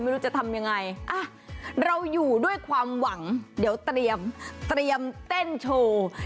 ไม่รู้จะทำยังไงอ่ะเราอยู่ด้วยความหวังเดี๋ยวเตรียมเต้นโชว์